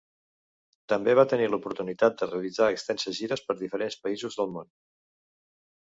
També va tenir l'oportunitat de realitzar extenses gires per diferents països del món.